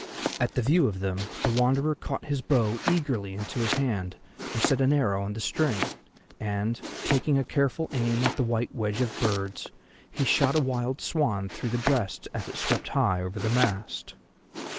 At the view of them the Wanderer caught his bow eagerly into his hand and set an arrow on the string, and, taking a careful aim at the white wedge of birds, he shot a wild swan through the breast as it swept high over the mast.